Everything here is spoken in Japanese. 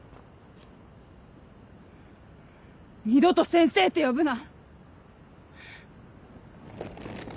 二度と「先生」って呼ぶな！